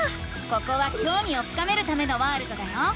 ここはきょうみを深めるためのワールドだよ。